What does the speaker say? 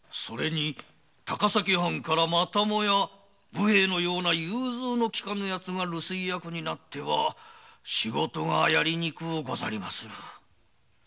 それに高崎藩からまたもや武兵衛のような融通のきかぬヤツが留守居役になっては仕事がやりにくうござりまする。